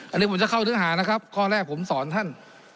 อันนี้ผมจะเข้าเนื้อหานะครับข้อแรกผมสอนท่าน